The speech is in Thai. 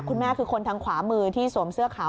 คุณแม่คือคนทางขวามือที่สวมเสื้อขาว